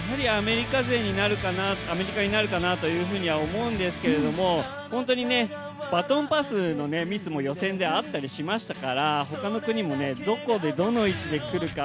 やはりアメリカになるかなと思うんですけども本当に、バトンパスのミスも予選であったりしましたから他の国もどこでどの位置で来るか。